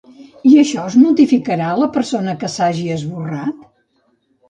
I això es notificarà a la persona que s'hagi esborrat?